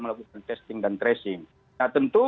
melakukan testing dan tracing nah tentu